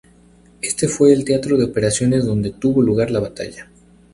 Este fue el teatro de operaciones donde tuvo lugar la batalla.